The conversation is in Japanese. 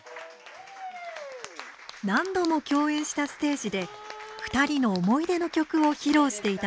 何度も共演したステージで２人の思い出の曲を披露していただきます。